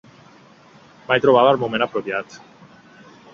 Mai trobava el moment apropiat.